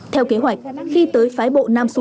theo kế hoạch khi tới phái bộ